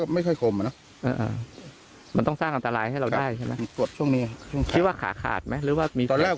มันต้องสร้างอันตรายให้เราได้ใช่ไหมคิดว่าขาขาดไหมหรือว่ามีตอนแรก